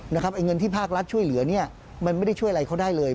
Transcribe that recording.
ไอ้เงินที่ภาครัฐช่วยเหลือเนี่ยมันไม่ได้ช่วยอะไรเขาได้เลย